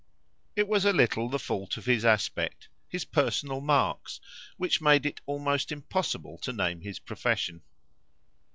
It was a little the fault of his aspect, his personal marks, which made it almost impossible to name his profession.